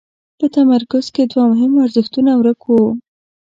په تمرکز کې یې دوه مهم ارزښتونه ورک وو.